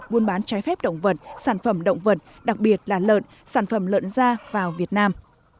buôn bán trái phép động vật sản phẩm động vật đặc biệt là lợn sản phẩm lợn ra vào việt nam